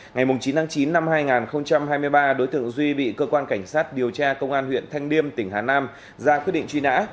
ngày chín tháng chín năm hai nghìn hai mươi ba đối tượng duy bị cơ quan cảnh sát điều tra công an huyện thanh liêm tỉnh hà nam ra quyết định truy nã